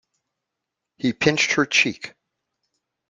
He pinched her cheek.